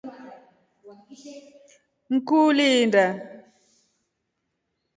Niku uli inda.